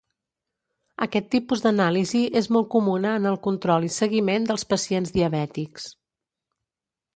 Aquest tipus d'anàlisi és molt comuna en el control i seguiment dels pacients diabètics.